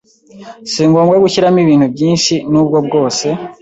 Si ngombwa gushyiramo ibintu byinshi nubwo bwose